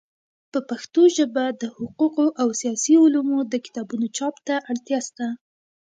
په پښتو ژبه د حقوقو او سیاسي علومو د کتابونو چاپ ته اړتیا سته.